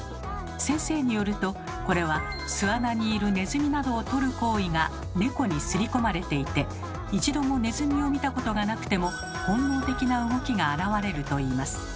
先生によるとこれは巣穴にいるネズミなどをとる行為が猫にすり込まれていて一度もネズミを見たことがなくても本能的な動きが現れるといいます。